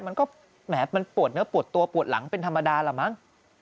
มันก็แหมมันปวดเนื้อปวดตัวปวดหลังเป็นธรรมดาล่ะมั้ง